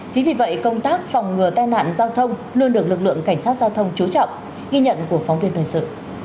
chính vì vậy công tác phòng ngừa tai nạn giao thông luôn được lực lượng cảnh sát giao thông chú trọng ghi nhận của phóng viên thời sự